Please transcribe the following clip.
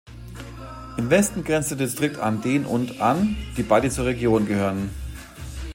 Im Westen grenzt der Distrikt an den und an, die beide zur Region gehören.